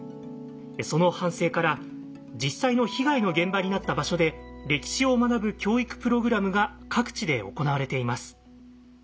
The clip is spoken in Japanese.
その反省から実際の被害の現場になった場所で歴史を学ぶ教育プログラムが各地で行われています。